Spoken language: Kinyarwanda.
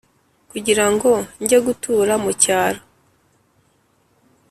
Kugira ngo njye gutura mu cyaro